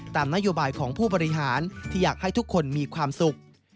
ตามนโยบายของผู้บริหารที่อยากให้ทุกคนมีความสุข